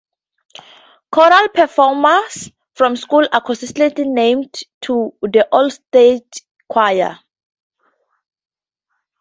Choral performers from the school are consistently named to the All-State Choir.